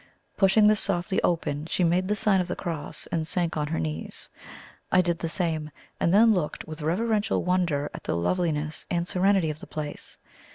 Pushing this softly open, she made the sign of the cross and sank on her knees. I did the same, and then looked with reverential wonder at the loveliness and serenity of the place.